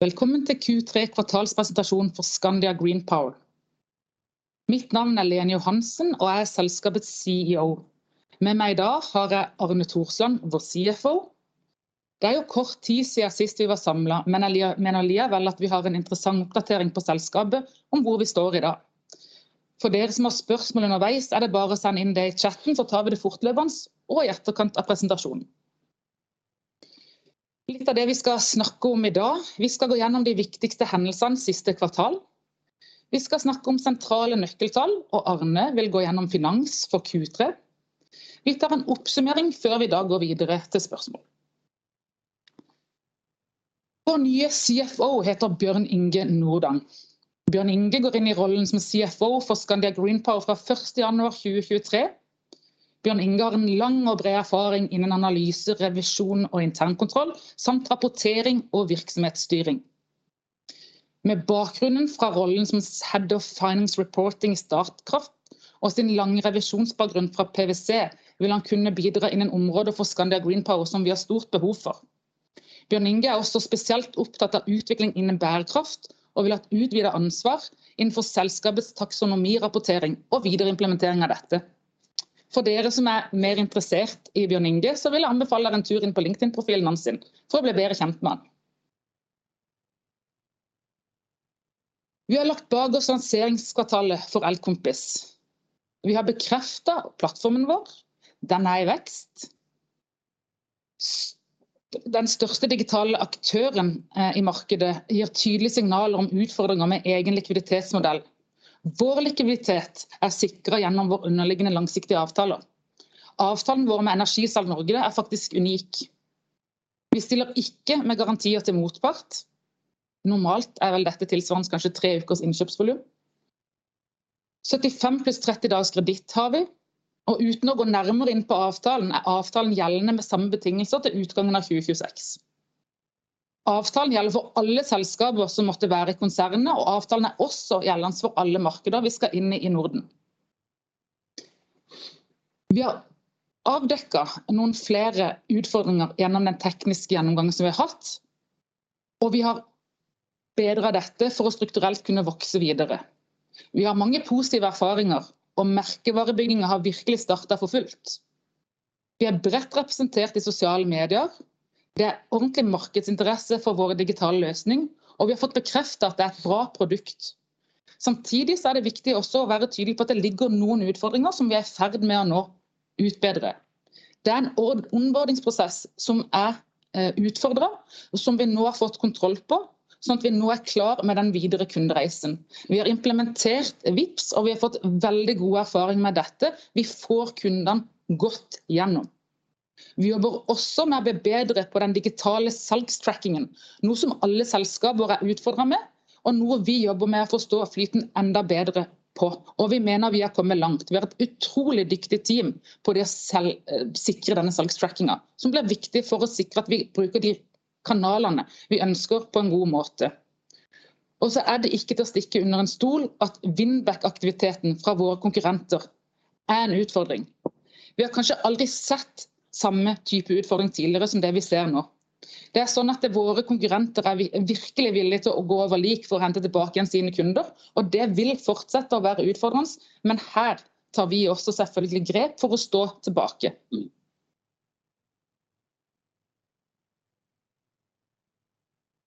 Velkommen til Q3 kvartalspresentasjon for Skandia GreenPower. Mitt navn er Lene Johansen og er selskapets CEO. Med meg i dag har jeg Arne Thorsland, vår CFO. Det er jo kort tid siden sist vi var samlet, men jeg mener likevel at vi har en interessant oppdatering på selskapet om hvor vi står i dag. For dere som har spørsmål underveis er det bare å sende inn det i chatten, så tar vi det fortløpende og i etterkant av presentasjonen. Litt av det vi skal snakke om i dag. Vi skal gå gjennom de viktigste hendelsene siste kvartal. Vi skal snakke om sentrale nøkkeltall, og Arne vil gå gjennom finans for Q3. Vi tar en oppsummering før vi da går videre til spørsmål. Vår nye CFO heter Bjørn Inge Nordang. Bjørn Inge går inn i rollen som CFO for Skandia GreenPower fra første januar 2023. Bjørn Inge har en lang og bred erfaring innen analyse, revisjon og internkontroll samt rapportering og virksomhetsstyring. Med bakgrunn fra rollen som Head of Finance Reporting i Statkraft og sin lange revisjonsbakgrunn fra PwC vil han kunne bidra innen områder for Skandia GreenPower som vi har stort behov for. Bjørn Inge er også spesielt opptatt av utvikling innen bærekraft og vil ha et utvidet ansvar innenfor selskapets taksonomirapportering og videre implementering av dette. For dere som er mer interessert i Bjørn Inge, så vil jeg anbefale en tur inn på LinkedIn profilen hans sin for å bli bedre kjent med han. Vi har lagt bak oss lanseringskvartalet for Elkompis. Vi har bekreftet plattformen vår. Den er i vekst. Den største digitale aktøren i markedet gir tydelige signaler om utfordringer med egen likviditetsmodell. Vår likviditet er sikret gjennom våre underliggende langsiktige avtaler. Avtalen vår med Energi Salg Norge er faktisk unik. Vi stiller ikke med garantier til motpart. Normalt er vel dette tilsvarende kanskje 3 ukers innkjøpsvolum. 75 + 30 dagers kreditt har vi. Uten å gå nærmere inn på avtalen er avtalen gjeldende med samme betingelser til utgangen av 2026. Avtalen gjelder for alle selskaper som måtte være i konsernet, og avtalen er også gjeldende for alle markeder vi skal inn i i Norden. Vi har avdekket noen flere utfordringer gjennom den tekniske gjennomgangen som vi har hatt, og vi har bedret dette for å strukturelt kunne vokse videre. Vi har mange positive erfaringer, og merkevarebyggingen har virkelig startet for fullt. Vi er bredt representert i sosiale medier. Det er ordentlig markedsinteresse for våre digitale løsninger, og vi har fått bekreftet at det er et bra produkt. Samtidig så er det viktig også å være tydelig på at det ligger noen utfordringer som vi er i ferd med å nå utbedre. Det er en onboarding prosess som er utfordret og som vi nå har fått kontroll på, sånn at vi nå er klar med den videre kundereisen. Vi har implementert Vipps, og vi har fått veldig god erfaring med dette. Vi får kundene godt gjennom. Vi jobber også med å bli bedre på den digitale salgstrackingen, noe som alle selskaper er utfordret med og noe vi jobber med å forstå flyten enda bedre på. Vi mener vi har kommet langt. Vi har et utrolig dyktig team på det å selv sikre denne salgstrackingen som blir viktig for å sikre at vi bruker de kanalene vi ønsker på en god måte. Er det ikke til å stikke under en stol at win back aktiviteten fra våre konkurrenter er en utfordring. Vi har kanskje aldri sett samme type utfordring tidligere som det vi ser nå. Det er sånn at våre konkurrenter er virkelig villig til å gå over lik for å hente tilbake igjen sine kunder, og det vil fortsette å være utfordrende. Her tar vi også selvfølgelig grep for å stå tilbake.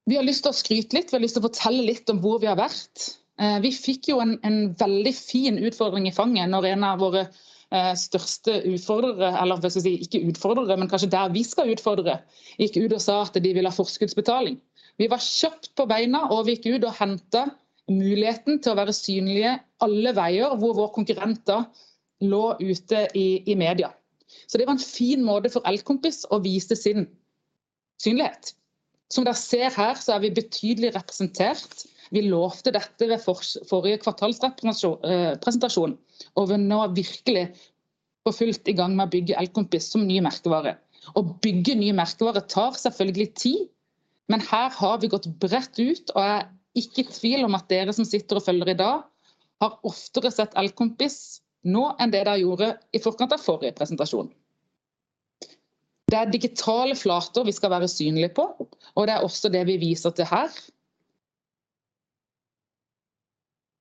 Vi har lyst til å skryte litt. Vi har lyst til å fortelle litt om hvor vi har vært. Vi fikk jo en veldig fin utfordring i fanget når en av våre største utfordrere eller for å si ikke utfordrere, men kanskje der vi skal utfordre, gikk ut og sa at de ville ha forskuddsbetaling. Vi var kjapt på beina, og vi gikk ut og hentet muligheten til å være synlige på alle veier hvor våre konkurrenter lå ute i media. Det var en fin måte for Elkompis å vise sin synlighet. Som dere ser her så er vi betydelig representert. Vi lovte dette ved forrige kvartalspresentasjon, og vi er nå virkelig på fullt i gang med å bygge Elkompis som ny merkevare. Å bygge nye merkevarer tar selvfølgelig tid, men her har vi gått bredt ut og er ingen tvil om at dere som sitter og følger i dag har oftere sett Elkompis nå enn det dere gjorde i forkant av forrige presentasjon. Det er digitale flater vi skal være synlig på, og det er også det vi viser til her.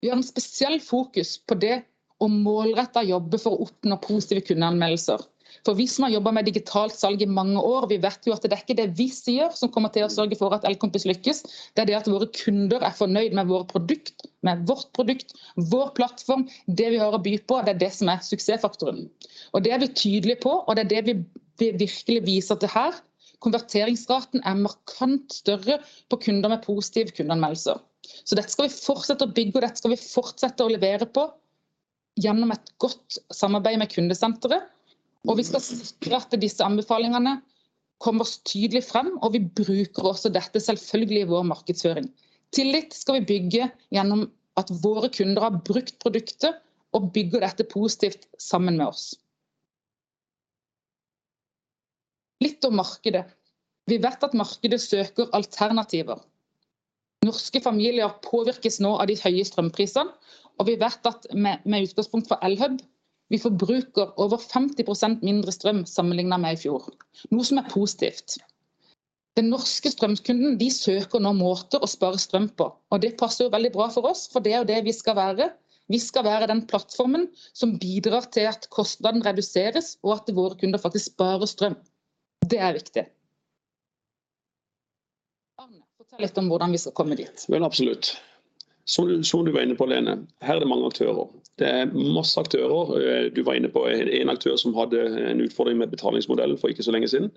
Vi har en spesiell fokus på det å målrettet jobbe for å oppnå positive kundeanmeldelser. For vi som har jobbet med digitalt salg i mange år, vi vet jo at det ikke er det vi sier som kommer til å sørge for at Elkompis lykkes. Det er det at våre kunder er fornøyde med vårt produkt, med vårt produkt, vår plattform, det vi har å by på. Det er det som er suksessfaktoren. Det er vi tydelige på, og det er det vi virkelig viser til her. Konverteringsraten er markant større på kunder med positive kundeanmeldelser, så dette skal vi fortsette å bygge og dette skal vi fortsette å levere på gjennom et godt samarbeid med kundesenteret, og vi skal sikre at disse anbefalingene kommer tydelig frem. Vi bruker også dette selvfølgelig i vår markedsføring. Tillit skal vi bygge gjennom at våre kunder har brukt produktet og bygger dette positivt sammen med oss. Litt om markedet. Vi vet at markedet søker alternativer. Norske familier påvirkes nå av de høye strømprisene, og vi vet at med utgangspunkt fra Elhub, vi forbruker over 50% mindre strøm sammenlignet med i fjor, noe som er positivt. Den norske strømkunden, de søker nå måter å spare strøm på, og det passer veldig bra for oss, for det er det vi skal være. Vi skal være den plattformen som bidrar til at kostnaden reduseres og at våre kunder faktisk sparer strøm. Det er viktig. Arne, fortell litt om hvordan vi skal komme dit. Vel, absolutt. Som du var inne på Lene, her er det mange aktører. Det er masse aktører. Du var inne på en aktør som hadde en utfordring med betalingsmodell for ikke så lenge siden,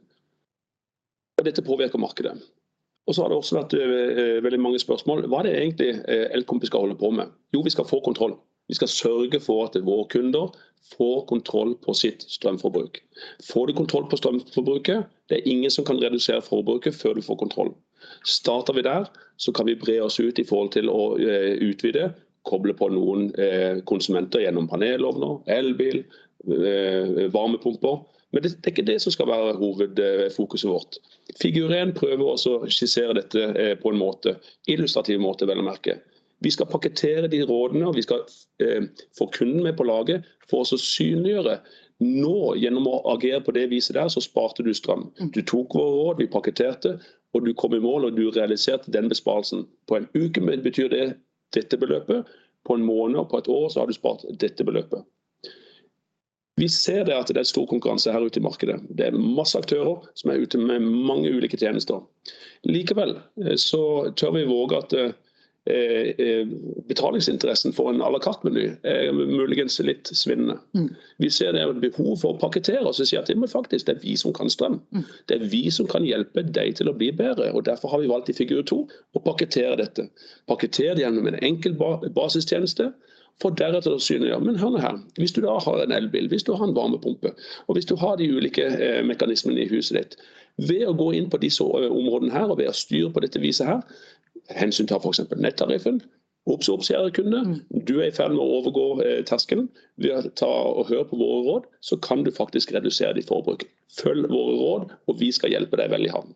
og dette påvirker markedet. Så har det også vært veldig mange spørsmål. Hva er det egentlig Elkompis skal holde på med? Jo, vi skal få kontroll. Vi skal sørge for at våre kunder får kontroll på sitt strømforbruk. Får du kontroll på strømforbruket? Det er ingen som kan redusere forbruket før du får kontroll. Starter vi der, så kan vi bre oss ut i forhold til å utvide, koble på noen konsumenter gjennom panelovner, elbil, varmepumper. Men det er ikke det som skal være hovedfokuset vårt. Figur en prøver å skissere dette på en måte, illustrativ måte vel å merke. Vi skal pakketere de rådene, og vi skal få kunden med på laget for å synliggjøre nå gjennom å agere på det viset der, sparte du strøm. Du tok våre råd vi pakketerte, og du kom i mål, og du realiserte den besparelsen. På en uke betyr det dette beløpet, på en måned, og på et år har du spart dette beløpet. Vi ser det at det er stor konkurranse her ute i markedet. Det er masse aktører som er ute med mange ulike tjenester. Likevel tør vi våge at betalingsinteressen for en à la carte meny er muligens litt svinnende. Vi ser det er et behov for å pakketere og si at det må faktisk, det er vi som kan strøm. Det er vi som kan hjelpe deg til å bli bedre. Derfor har vi valgt i figur to å pakketere dette. Pakketere gjennom en enkel basistjeneste for deretter å synliggjøre. Hør nå her. Hvis du da har en elbil, hvis du har en varmepumpe, og hvis du har de ulike mekanismene i huset ditt ved å gå inn på disse områdene her, og ved å styre på dette viset her. Hensyntar for eksempel nettariffen. Ops, ops, sier kunden. Du er i ferd med å overgå terskelen ved å ta og høre på våre råd, så kan du faktisk redusere ditt forbruk. Følg våre råd og vi skal hjelpe deg vel i havn.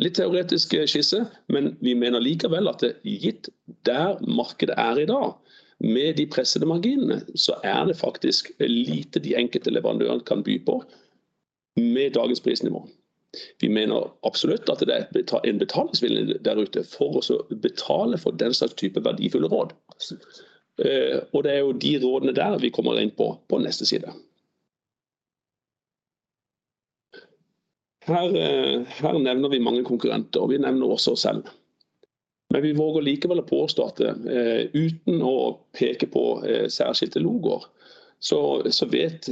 Litt teoretisk skisse, men vi mener likevel at gitt der markedet er i dag, med de pressede marginene, så er det faktisk lite de enkelte leverandørene kan by på med dagens prisnivå. Vi mener absolutt at det er en betalingsvilje der ute for å betale for den type verdifulle råd. Absolutt. Det er jo de rådene der vi kommer inn på på neste side. Her nevner vi mange konkurrenter, og vi nevner også oss selv. Men vi våger likevel å påstå at uten å peke på særskilte logoer, så vet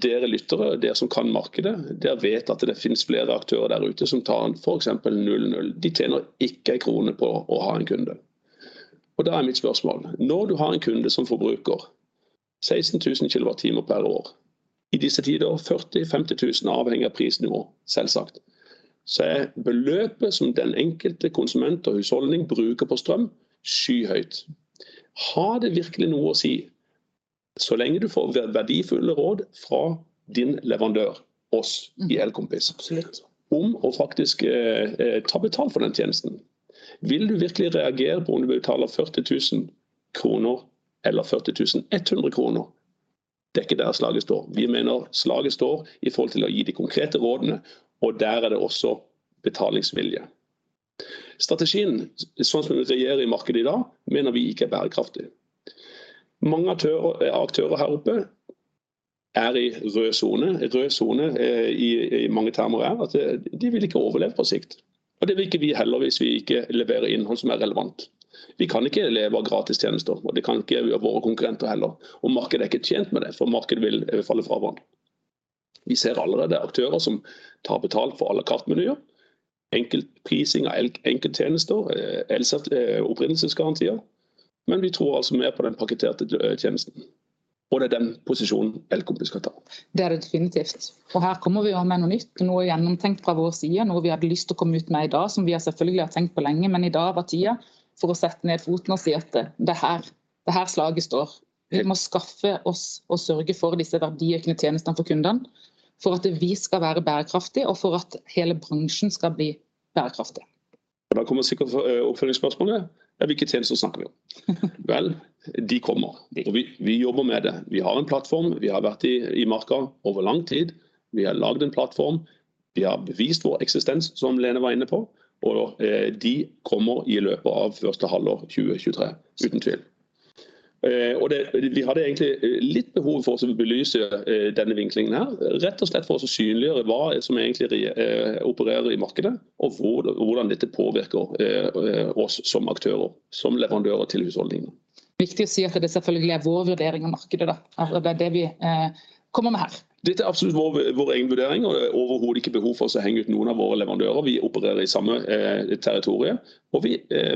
dere lyttere, dere som kan markedet. Dere vet at det finnes flere aktører der ute som tar for eksempel 0 0. De tjener ikke en krone på å ha en kunde. Da er mitt spørsmål når du har en kunde som forbruker 16,000 kWh per år i disse tider, 40,000-50,000 avhengig av prisnivå selvsagt, så er beløpet som den enkelte konsument og husholdning bruker på strøm skyhøyt. Har det virkelig noe å si så lenge du får verdifulle råd fra din leverandør, oss i Elkompis. Absolutt. Om å faktisk ta betalt for den tjenesten. Vil du virkelig reagere på om du betaler NOK 40,000 eller NOK 40,100? Det er ikke der slaget står. Vi mener slaget står i forhold til å gi de konkrete rådene, og der er det også betalingsvilje. Strategien sånn som vi opererer i markedet i dag, mener vi ikke er bærekraftig. Mange aktører her oppe er i rød sone, rød sone i mange termer er at de vil ikke overleve på sikt, og det vil ikke vi heller hvis vi ikke leverer innhold som er relevant. Vi kan ikke leve av gratis tjenester, og det kan ikke våre konkurrenter heller. Markedet er ikke tjent med det, for markedet vil falle fra hverandre. Vi ser allerede aktører som tar betalt for à la carte menyer, enkelt prising av enkelttjenester, opprinnelsesgarantier. Vi tror altså mer på den pakkerte tjenesten, og det er den posisjonen Elkompis skal ta. Det er det definitivt. Her kommer vi med noe nytt. Noe gjennomtenkt fra vår side, noe vi hadde lyst til å komme ut med i dag som vi selvfølgelig har tenkt på lenge. I dag var tiden for å sette ned foten og si at det er her, det er her slaget står. Vi må skaffe oss og sørge for disse verdiøkende tjenestene for kundene, for at vi skal være bærekraftig og for at hele bransjen skal bli bærekraftig. Da kommer sikkert oppfølgingsspørsmålet er hvilke tjenester snakker vi om? Vel, de kommer, og vi jobber med det. Vi har en plattform, vi har vært i markedet over lang tid. Vi har laget en plattform. Vi har bevist vår eksistens som Lene var inne på, og de kommer i løpet av første halvår 2023. Uten tvil. Det vi hadde egentlig litt behov for å belyse denne vinklingen her, rett og slett for å synliggjøre hva som egentlig opererer i markedet og hvordan dette påvirker oss som aktører, som leverandører til husholdningene. Viktig å si at det selvfølgelig er vår vurdering av markedet da, at det er det vi kommer med her. Dette er absolutt vår egen vurdering, og det er overhodet ikke behov for å henge ut noen av våre leverandører. Vi opererer i samme territorium,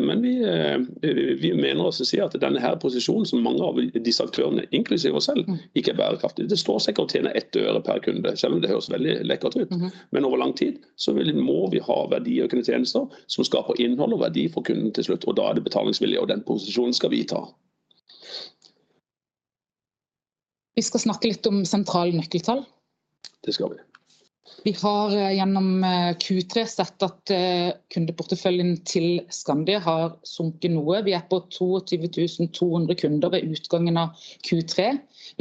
men vi mener altså å si at denne her posisjonen som mange av disse aktørene, inklusive oss selv, ikke er bærekraftig. Det står og faller med NOK 0.01 per kunde. Selv om det høres veldig lekkert ut, men over lang tid så må vi ha verdiøkende tjenester som skaper innhold og verdi for kunden til slutt. Og da er det betalingsvilje. Og den posisjonen skal vi ta. Vi skal snakke litt om sentrale nøkkeltall. Det skal vi. Vi har gjennom Q3 sett at kundeporteføljen til Skandia har sunket noe. Vi er på 22,300 kunder ved utgangen av Q3.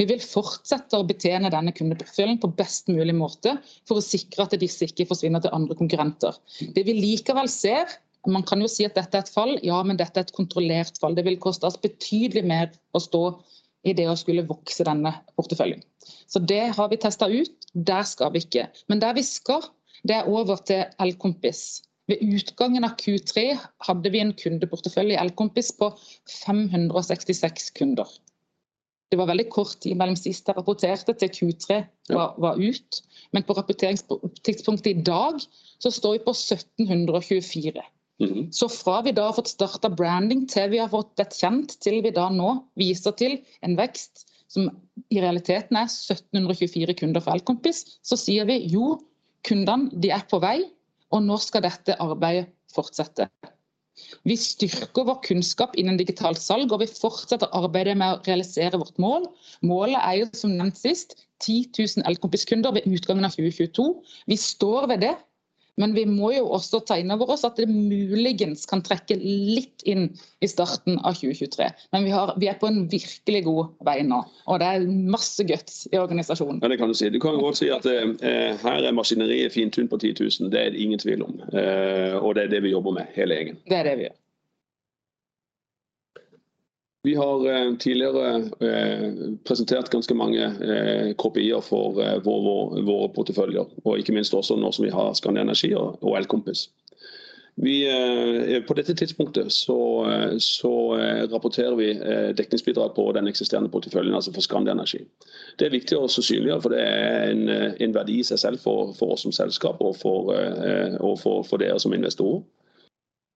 Vi vil fortsette å betjene denne kundeporteføljen på best mulig måte for å sikre at disse ikke forsvinner til andre konkurrenter. Det vi likevel ser, man kan jo si at dette er et fall. Ja, men dette er et kontrollert fall. Det vil koste oss betydelig mer å stå i det å skulle vokse denne porteføljen. Så det har vi testet ut. Der skal vi ikke. Men der vi skal, det er over til Elkompis. Ved utgangen av Q3 hadde vi en kundeportefølje i Elkompis på 566 kunder. Det var veldig kort tid mellom sist jeg rapporterte til Q3 var ute, men på rapporteringstidspunktet i dag så står vi på 1,724. Fra vi da har fått startet branding til vi har fått blitt kjent, til vi da nå viser til en vekst som i realiteten er 1,724 kunder for Elkompis, sier vi jo kundene de er på vei og nå skal dette arbeidet fortsette. Vi styrker vår kunnskap innen digital salg, og vi fortsetter arbeidet med å realisere vårt mål. Målet er jo som nevnt sist 10,000 Elkompis kunder ved utgangen av 2022. Vi står ved det, men vi må jo også tegne over oss at det muligens kan trekke litt inn i starten av 2023. Vi er på en virkelig god vei nå, og det er masse godt i organisasjonen. Ja, det kan du si. Du kan jo også si at det her er maskineriet fintun på 10,000, det er det ingen tvil om. Og det er det vi jobber med hele gjengen. Det er det vi gjør. Vi har tidligere presentert ganske mange KPI'er for våre porteføljer og ikke minst også nå som vi har SkandiaEnergi og Elkompis. Vi på dette tidspunktet så rapporterer vi dekningsbidrag på den eksisterende porteføljen, altså for SkandiaEnergi. Det er viktig å synliggjøre, for det er en verdi i seg selv for oss som selskap og for dere som investorer.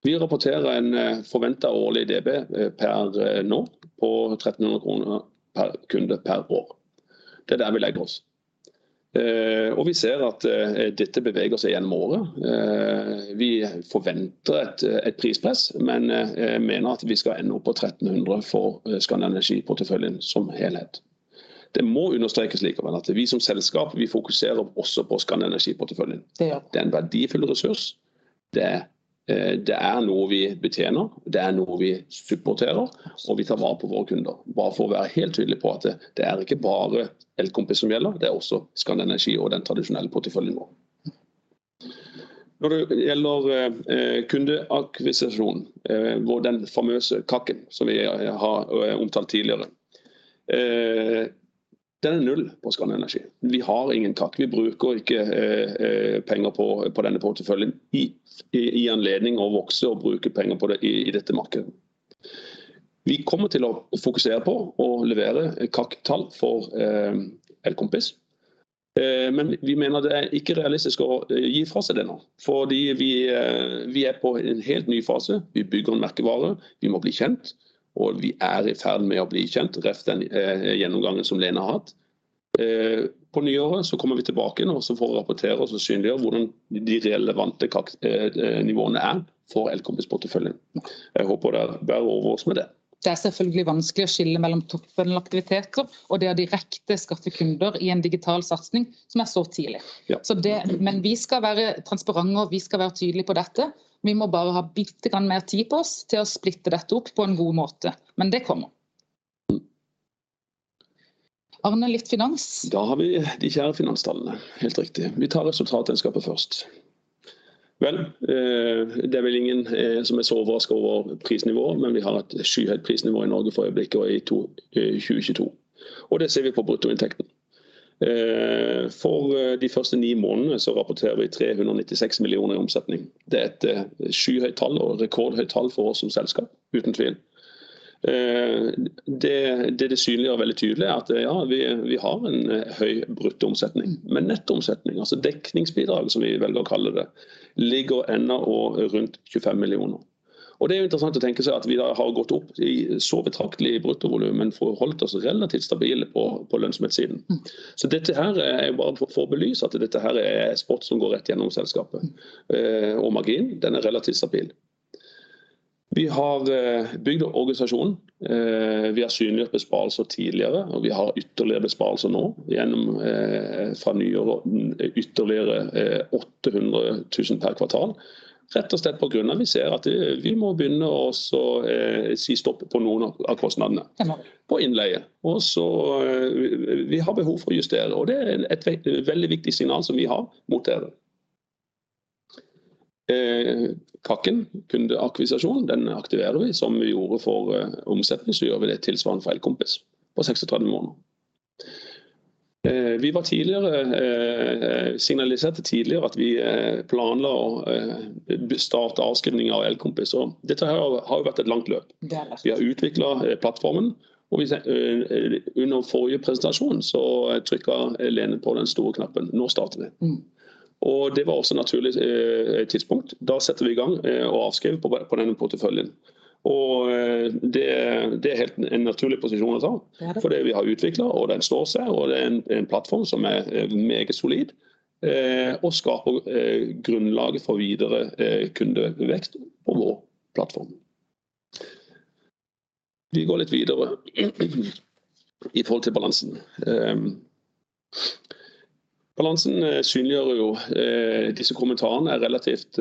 Vi rapporterer en forventet årlig DB per nå på 1,300 NOK per kunde per år. Det er der vi legger oss, og vi ser at dette beveger seg gjennom året. Vi forventer et prispress, men mener at vi skal ende opp på 1,300 NOK for SkandiaEnergi porteføljen som helhet. Det må understrekes likevel at vi som selskap fokuserer også på SkandiaEnergi porteføljen. Det gjør vi. Det er en verdifull ressurs. Det er noe vi betjener. Det er noe vi støtter, og vi tar vare på våre kunder. Bare for å være helt tydelig på at det er ikke bare Elkompis som gjelder, det er også SkandiaEnergi og den tradisjonelle porteføljen vår. Når det gjelder kundeakvisisjon og den famøse kaken som vi har omtalt tidligere. Den er null på SkandiaEnergi. Vi har ingen kake, vi bruker ikke penger på denne porteføljen i anledning å vokse og bruke penger på det i dette markedet. Vi kommer til å fokusere på å levere kaketall for Elkompis, men vi mener det er ikke realistisk å gi fra seg denne fordi vi er på en helt ny fase. Vi bygger en merkevare, vi må bli kjent, og vi er i ferd med å bli kjent. Ref den gjennomgangen som Lene har hatt, på nyåret så kommer vi tilbake igjen og så får vi rapportere og synliggjøre hvordan de relevante nivåene er for Elkompis porteføljen. Jeg håper dere bærer over med det. Det er selvfølgelig vanskelig å skille mellom toppfunnel aktiviteter og det å direkte skaffe kunder i en digital satsing som er så tidlig. Ja. Vi skal være transparente, og vi skal være tydelige på dette. Vi må bare ha bittelitt mer tid på oss til å splitte dette opp på en god måte. Det kommer. Mm. Arne, litt finans. Da har vi de kjære finanstallene. Helt riktig. Vi tar resultatregnskapet først. Det er ingen som er så overrasket over prisnivået, men vi har et skyhøyt prisnivå i Norge for øyeblikket og i 2022, og det ser vi på bruttoinntekten. For de første ni månedene så rapporterer vi 396 million i omsetning. Det er et skyhøyt tall og rekordhøyt tall for oss som selskap. Uten tvil. Det synliggjør veldig tydelig at vi har en høy brutto omsetning, men netto omsetning, altså dekningsbidrag som vi velger å kalle det, ligger ennå rundt NOK 25 million. Det er jo interessant å tenke seg at vi har gått opp i så betraktelig brutto volumer, men forholdt oss relativt stabile på lønnsomhetssiden. Mm. Dette her er jo bare for å belyse at dette her er spot som går rett gjennom selskapet, og marginen, den er relativt stabil. Vi har bygd organisasjonen, vi har synliggjort besparelser tidligere, og vi har ytterligere besparelser nå gjennom fra nyåret, ytterligere 800,000 per kvartal. Rett og slett på grunn av vi ser at vi må begynne og så si stopp på noen av kostnadene. Ja. På innleie. Vi har behov for å justere, og det er et veldig viktig signal som vi har mot dere. KAK, kundeakvisisjon. Den aktiverer vi som vi gjorde for omsetning, så gjør vi det tilsvarende for Elkompis på 36 måneder. Vi signaliserte tidligere at vi planla å starte avskrivninger av Elkompis, og dette her har jo vært et langt løp. Det har det. Vi har utviklet plattformen under forrige presentasjon, så trykket Lene på den store knappen. Nå starter vi. Mm. Det var også naturlig tidspunkt. Setter vi i gang og avskriver på denne porteføljen. Det er en helt naturlig posisjon å ta. Ja, det er det. Fordi vi har utviklet og den står seg. Det er en plattform som er meget solid, og skaper grunnlaget for videre kundevekst på vår plattform. Vi går litt videre i forhold til balansen. Balansen synliggjør jo. Disse kommentarene er relativt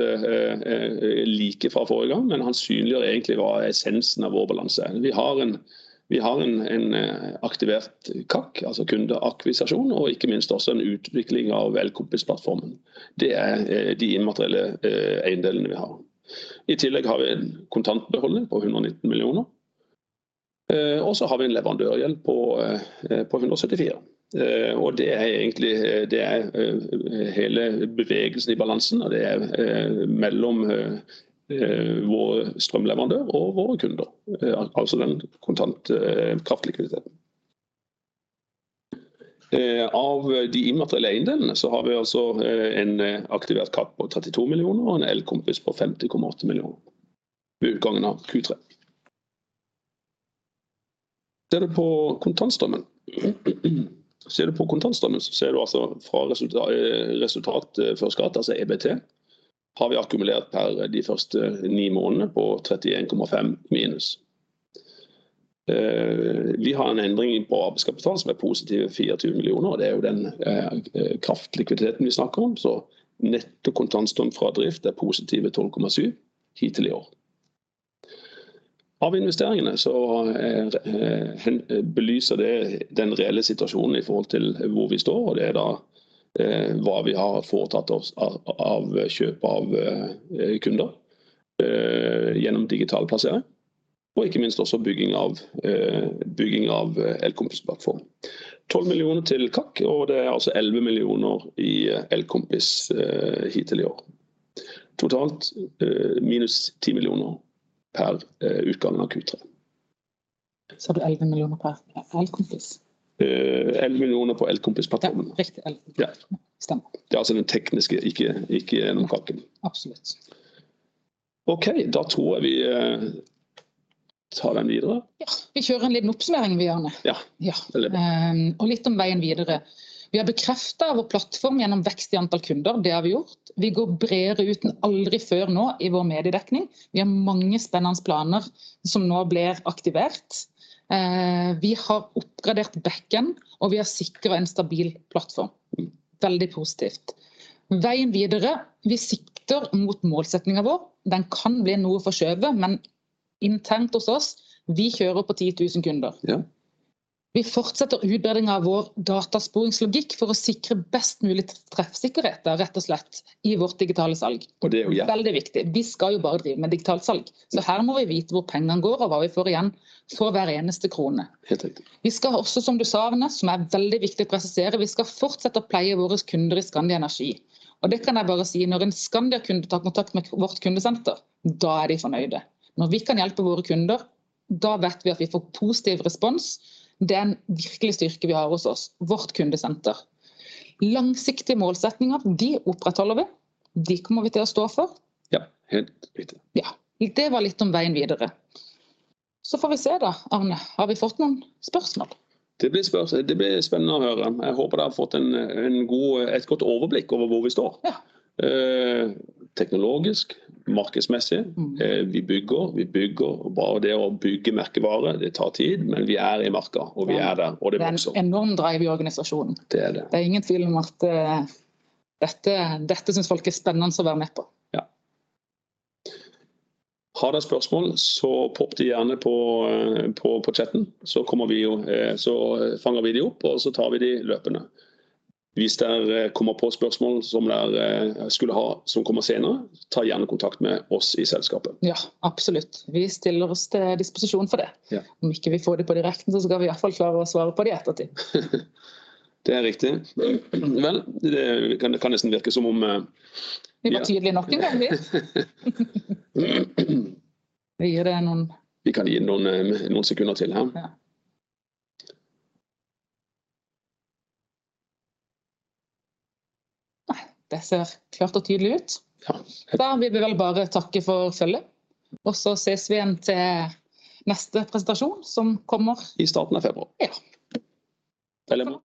like fra forrige gang, men den synliggjør egentlig hva essensen av vår balanse. Vi har en aktivert KAK, altså kundeakvisisjon, og ikke minst også en utvikling av Elkompis plattformen. Det er de immaterielle eiendelene vi har. I tillegg har vi en kontantbeholdning på 119 millioner. Og så har vi en leverandørgjeld på 174 millioner. Det er egentlig hele bevegelsen i balansen, og det er mellom våre strømleverandører og våre kunder. Altså den kontantkraftlighet. Av de immaterielle eiendelene så har vi altså en aktivert KAK på 32 million og en Elkompis på 50.8 million ved utgangen av Q3. Ser du på kontantstrømmen, så ser du altså fra resultatet før skatt. Altså EBT har vi akkumulert per de første ni månedene på -13.5 million. Vi har en endring på arbeidskapital som er positive 24 million. Det er jo den kontantkraftlighet vi snakker om. Så netto kontantstrøm fra drift er positive 12.7 million hittil i år. Av investeringene så belyser det den reelle situasjonen i forhold til hvor vi står. Det er da hva vi har foretatt oss av kjøp av kunder gjennom digital plassering og ikke minst også bygging av Elkompis plattformen. NOK 12 million til KAK. Det er altså 11 millioner i Elkompis hittil i år. Totalt minus 10 millioner ved utgangen av Q3. Det er NOK 11 million per Elkompis. NOK 11 millioner på Elkompis plattformen. Riktig. Elkompis. Ja. Stemmer. Det er altså den tekniske, ikke KAK en. Absolutt. Okay, da tror jeg vi tar den videre. Ja, vi kjører en liten oppsummering med Arne. Ja. Ja. Litt om veien videre. Vi har bekreftet vår plattform gjennom vekst i antall kunder. Det har vi gjort. Vi går bredere ut enn noensinne før nå i vår mediedekning. Vi har mange spennende planer som nå blir aktivert. Vi har oppgradert back end, og vi har sikret en stabil plattform. Veldig positivt. Veien videre. Vi sikter mot målsettingen vår. Den kan bli noe forskjøvet, men internt hos oss. Vi kjører på 10,000 kunder. Ja. Vi fortsetter utbedring av vår datasporingslogikk for å sikre best mulig treffsikkerhet rett og slett i vårt digitale salg. Det er jo. Veldig viktig. Vi skal jo bare drive med digitalt salg, så her må vi vite hvor pengene går og hva vi får igjen for hver eneste krone. Helt riktig. Vi skal også som du sa Arne, som er veldig viktig å presisere. Vi skal fortsette å pleie våre kunder i SkandiaEnergi, og det kan jeg bare si når en Skandiakunde tar kontakt med vårt kundesenter. Da er de fornøyde. Når vi kan hjelpe våre kunder, da vet vi at vi får positiv respons. Det er en virkelig styrke vi har hos oss vårt kundesenter. Langsiktige målsettinger. De opprettholder vi. De kommer vi til å stå for. Ja, helt riktig. Ja, det var litt om veien videre. Får vi se da. Arne, har vi fått noen spørsmål? Det blir spennende å høre. Jeg håper dere har fått et godt overblikk over hvor vi står. Ja. Teknologisk, markedsmessig. Vi bygger. Bare det å bygge merkevare. Det tar tid, men vi er i marka og vi er der og det. Det er en enorm drive i organisasjonen. Det er det. Det er ingen tvil om at dette synes folk er spennende å være med på. Ja. Har dere spørsmål, så popp de gjerne på chatten, så kommer vi og så fanger vi de opp og så tar vi de løpende. Hvis dere kommer på spørsmål som dere skulle ha som kommer senere. Ta gjerne kontakt med oss i selskapet. Ja, absolutt. Vi stiller oss til disposisjon for det. Ja. Om ikke vi får det på direkten så skal vi i alle fall klare å svare på de i ettertid. Det er riktig. Vel, det kan nesten virke som om. Vi var tydelig nok en gang. Vi gir det noen. Vi kan gi det noen sekunder til her. Ja. Nei, det ser klart og tydelig ut. Ja. Da blir det vel bare å takke for følget. Sees vi igjen til neste presentasjon som kommer. I starten av februar. Ja. Takk for meg.